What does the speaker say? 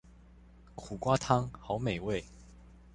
苦瓜湯好美味